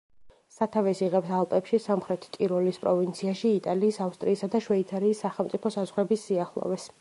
სათავეს იღებს ალპებში, სამხრეთ ტიროლის პროვინციაში, იტალიის, ავსტრიისა და შვეიცარიის სახელმწიფო საზღვრების სიახლოვეს.